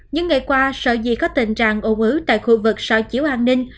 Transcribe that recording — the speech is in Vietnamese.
những ngày qua sợi gì có tình trạng ổn ứu tại khu vực sòi chiếu an ninh